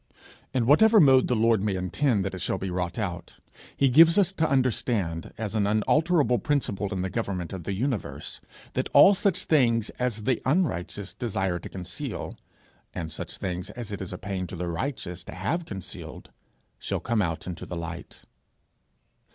In whatever mode the Lord may intend that it shall be wrought out, he gives us to understand, as an unalterable principle in the government of the universe, that all such things as the unrighteous desire to conceal, and such things as it is a pain to the righteous to have concealed, shall come out into the light.